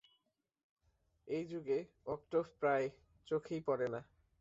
এই যুগে ক্টোভ প্রায় চোখেই পড়ে না।